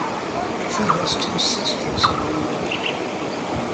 She has two sisters in New York.